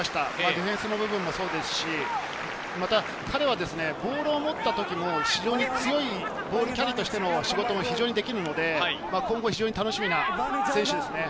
ディフェンスの部分もそうですし、また彼はボールを持った時も、後ろに強いボールキャリーとしての仕事を非常にできるので、今後非常に楽しみな選手ですね。